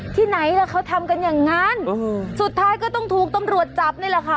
ที่ไหนล่ะเขาทำกันอย่างนั้นสุดท้ายก็ต้องถูกตำรวจจับนี่แหละค่ะ